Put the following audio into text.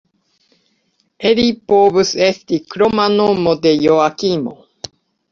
Eli povus esti kroma nomo de Joakimo.